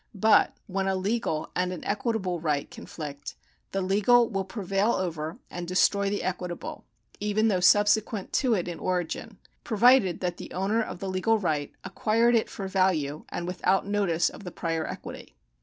But when a legal and an equitable right conflict, the legal will prevail over and destroy the equitable, even though subsequent to it in origin, provided that the owner of the legal right acquired it for value and without notice of the prior equity.